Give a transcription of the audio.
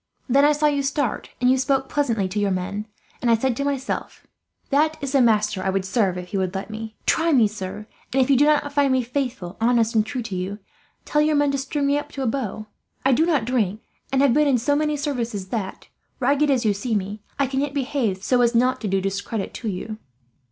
Then I saw you start, and you spoke pleasantly to your men; and I said to myself, 'that is the master I would serve, if he would let me.' "Try me, sir, and if you do not find me faithful, honest, and true to you, tell your men to string me up to a bough. I do not drink, and have been in so many services that, ragged as you see me, I can yet behave so as not to do discredit to you."